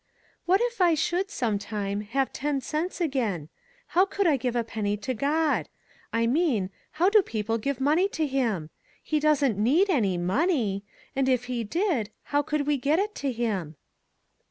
" What if I should, some time, have ten cents again. How could I give a penny to God. I mean, how do people give money to him ? He doesn't need any money! And if he did, how could we get it to him